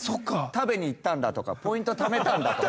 食べに行ったんだとかポイント貯めたんだとか。